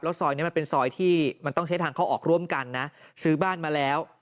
ซอยนี้มันเป็นซอยที่มันต้องใช้ทางเข้าออกร่วมกันนะซื้อบ้านมาแล้ว